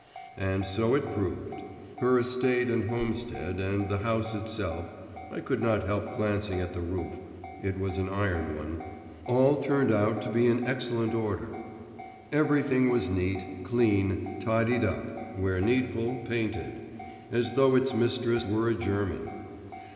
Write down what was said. And so it proved; her estate and homestead and the house itself (I could not help glancing at the roof; it was an iron one) all turned out to be in excellent order; everything was neat, clean, tidied up, where needful painted, as though its mistress were a German.